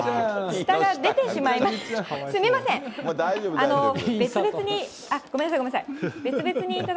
下が出てしまいました。